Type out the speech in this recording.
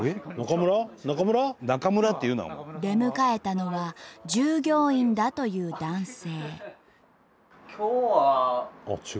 出迎えたのは従業員だという男性。